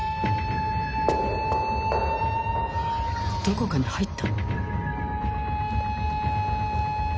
どこかに入った